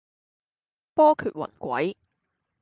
波譎雲詭